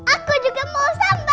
aku juga mau sambal